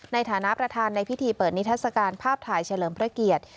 ในฐานะประธานในพิธีเปิดนิทัศกาลภาพถ่ายเฉลิมพระเกียรติ